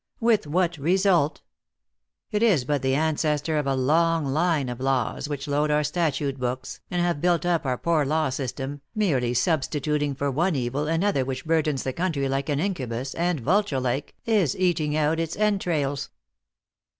With what result ? It is but the ancestor of a long line of laws which load our statute books, and have built up our poor law sys tem, merely substituting for one evil another which burdens the country like an incubus, and, vulture like, is eating out its entrails."